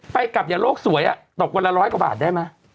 ไปกลับอย่าโลกสวยตกวันละร้อยกว่าบาทได้ไหม